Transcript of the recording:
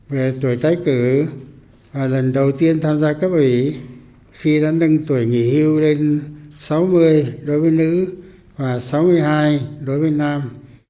về tuổi tái cử và lần đầu tiên tham gia cấp ủy khi đã nâng tuổi nghỉ hưu lên sáu mươi đối với nữ và sáu mươi hai đối với nam